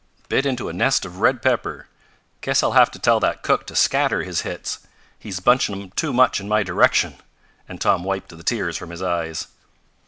"Bit into a nest of red pepper. Guess I'll have to tell that cook to scatter his hits. He's bunching 'em too much in my direction," and Tom wiped the tears from his eyes.